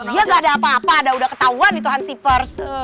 iya enggak ada apa apa udah ketahuan itu hansi pers